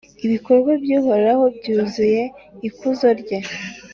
ibikorwa by’Uhoraho byuzuye ikuzo rye.